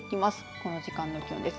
この時間の気温です。